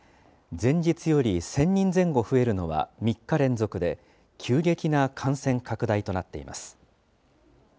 前日より１０００人前後増えるのは３日連続で、急激な感染拡大となっています。